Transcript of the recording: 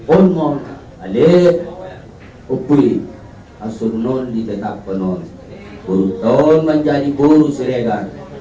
onmon ale upui asurnon diketapanon buruton manjadi buru sirega